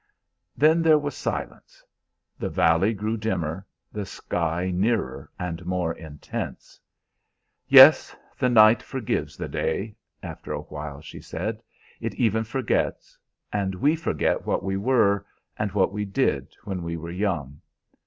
Then there was silence; the valley grew dimmer, the sky nearer and more intense. "Yes, the night forgives the day," after a while she said; "it even forgets. And we forget what we were, and what we did, when we were young.